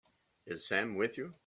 Is Sam with you?